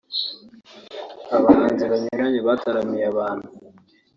abahanzi banyuranye bataramiye abantu